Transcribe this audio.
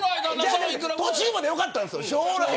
途中までは良かったんですよ。